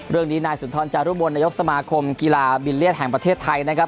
เรื่องนี้นายสุนทรจารุมลนายกสมาคมกีฬาบิลเลียนแห่งประเทศไทยนะครับ